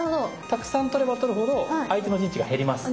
たくさん取れば取るほど相手の陣地が減ります。